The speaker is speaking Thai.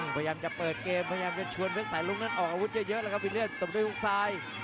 พยายามจะเปิดเกมพยายามจะชวนเพชรสายรุ้งนั้นออกอาวุธเยอะแล้วครับวิเศษตบด้วยฮุกซ้าย